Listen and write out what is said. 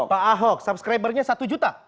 pak ahok subscribernya satu juta